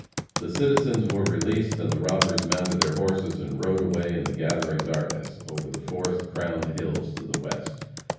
The citizens were released, and the robbers mounted their horses and rode away in the gathering darkness, over the forest crowned hills to the west.